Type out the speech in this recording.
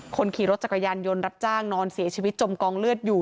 คนขี่รถจักรยานยนต์รับจ้างนอนเสียชีวิตจมกองเลือดอยู่